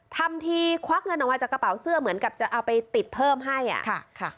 ทำทีควักเงินออกมาจากกระเป๋าเสื้อเหมือนกับจะเอาไปติดเพิ่มให้อ่ะค่ะ